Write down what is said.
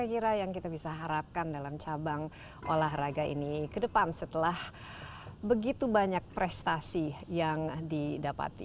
apa kira kira yang kita bisa harapkan dalam cabang olahraga ini ke depan setelah begitu banyak prestasi yang didapati